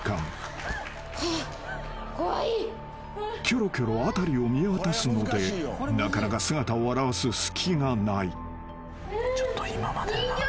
［きょろきょろ辺りを見渡すのでなかなか姿を現す隙がない］